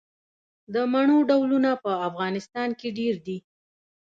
د مڼو ډولونه په افغانستان کې ډیر دي.